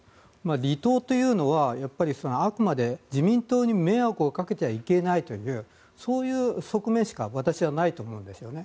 離党というのはあくまで自民党に迷惑をかけてはいけないという側面しかないと思うんですよね。